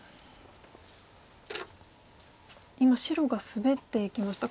今白がスベっていきました。